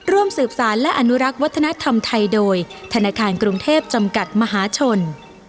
ร่วมสืบสารและอนุรักษ์วัฒนธรรมไทยโดยธนาคารกรุงเทพจำกัดมหาชน